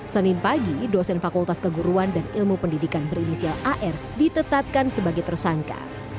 senin pagi dosen fakultas keguruan dan ilmu pendidikan berinisial ar ditetapkan sebagai tersangka